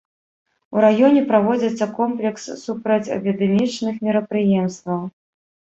У раёне праводзіцца комплекс супрацьэпідэмічных мерапрыемстваў.